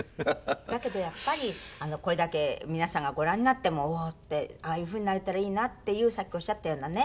だけどやっぱりこれだけ皆さんがご覧になってもおおーってああいうふうになれたらいいなっていうさっきおっしゃったようなね。